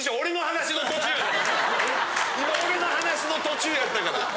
今俺の話の途中やったがな。